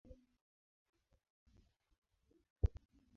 zinazochafua hewa pia zinaweza kuwa hatari sana Kaboni monoksidi